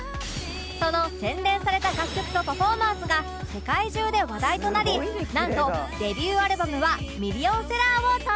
その洗練された楽曲とパフォーマンスが世界中で話題となりなんとデビューアルバムはミリオンセラーを達成